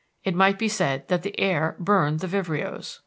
It might be said that the air burned the vibrios.